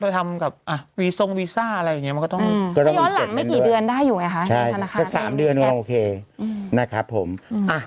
แต่ว่าถ้าขอออนไลน์ได้ก็คือจบเลย